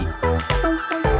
juga telah menjalani kerjasama